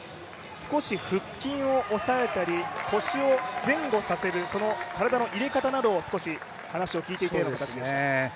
少し腹筋を押さえたり腰を前後させる、その体の入れ方などを話を聞いていたようです。